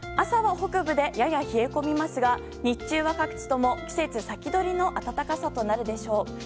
朝は北部でやや冷え込みますが日中は各地とも季節先取りの暖かさとなるでしょう。